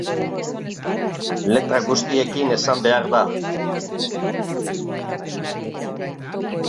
Letra guztiekin esan behar da.